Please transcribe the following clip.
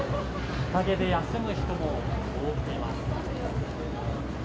日陰で休む人も多くいます。